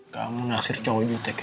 kamu naksir cowok jutek ya